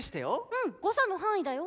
うん誤差の範囲だよ。